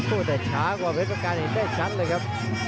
โอ้แต่ช้ากว่าเพศประการได้ชัดเลยครับ